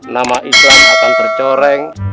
nama islam akan tercoreng